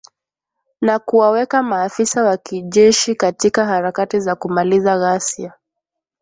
na kuwaweka maafisa wa kijeshi katika harakati za kumaliza ghasia